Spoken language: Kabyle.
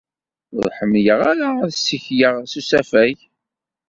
Ur ḥemmleɣ ara ad ssikleɣ s usafag.